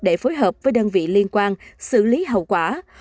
để phối hợp với đơn vị liên quan xử lý hậu quả